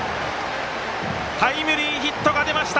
タイムリーヒットが出ました。